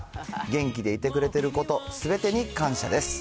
元気でいてくれてること、すべてに感謝です。